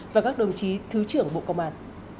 và các đồng chí thứ trưởng bộ công an